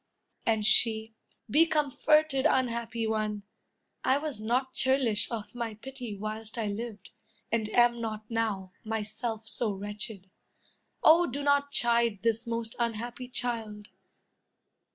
And she: "Be comforted, unhappy one! I was not churlish of my pity whilst I lived, and am not now, myself so wretched! Oh, do not chide this most unhappy child!"